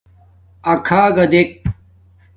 اَکھݳگݳ دݵک.